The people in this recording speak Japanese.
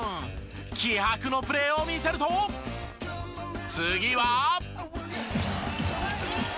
気迫のプレーを見せると次は。